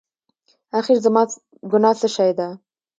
اخېر زما ګناه څه شی ده؟